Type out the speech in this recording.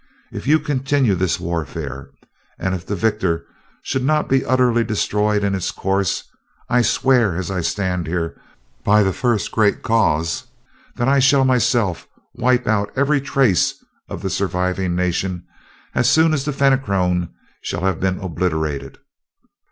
If you continue this warfare and if the victor should not be utterly destroyed in its course, I swear as I stand here, by the great First Cause, that I shall myself wipe out every trace of the surviving nation as soon as the Fenachrone shall have been obliterated.